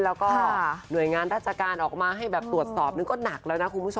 แล้วก็หน่วยงานราชการออกมาให้แบบตรวจสอบนึงก็หนักแล้วนะคุณผู้ชม